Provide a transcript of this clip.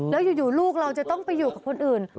แล้วอยู่ลูกเราจะต้องไปอยู่กับคนอื่น